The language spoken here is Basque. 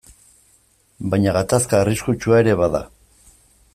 Baina gatazka arriskutsua ere bada.